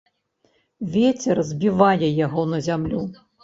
Вецер збівае яго на зямлю.